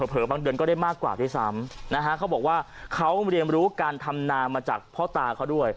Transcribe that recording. เผลอบางเดือนก็ได้มากกว่าด้วยซ้ำนะฮะเขาบอกว่าเขาเรียนรู้การทำนามาจากพ่อตาเขาด้วย